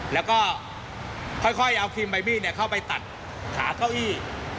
แล้วก็ค่อยเอาครีมใบบี้เข้าไปตัดขาเก้าอี้